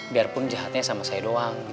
biarpun jahatnya sama saya doang